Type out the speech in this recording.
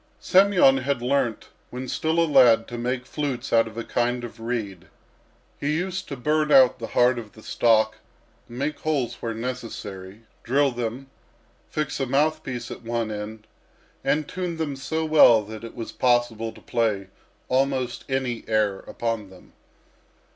Semyon had learnt when still a lad to make flutes out of a kind of reed. He used to burn out the heart of the stalk, make holes where necessary, drill them, fix a mouthpiece at one end, and tune them so well that it was possible to play almost any air on them.